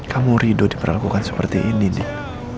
kamu rido diperlakukan seperti ini deh